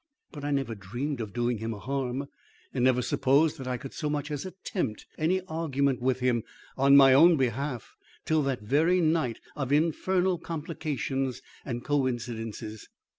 But I never dreamed of doing him a harm, and never supposed that I could so much as attempt any argument with him on my own behalf till that very night of infernal complications and coincidences.